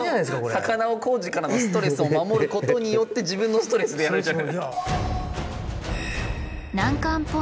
魚を工事からのストレスから守ることによって自分のストレスでやられちゃう。